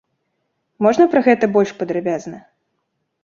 Можна пра гэта больш падрабязна?